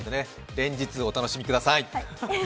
連日お楽しみください！